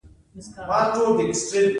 عامه اداره له عامه او اداره دوو کلمو جوړه ده.